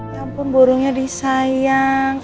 ya ampun borongnya disayang